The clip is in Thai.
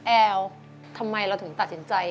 แอลทำไมเราถึงตัดสินใจ